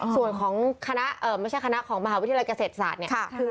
ส่วนของคณะไม่ใช่คณะของมหาวิทยาลัยเกษตรศาสตร์เนี่ย